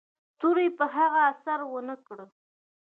تورې په هغه اثر و نه کړ.